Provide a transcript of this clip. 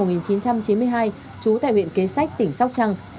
trần trung hải sinh năm một nghìn chín trăm chín mươi hai chú tại huyện kế sách tỉnh sóc trăng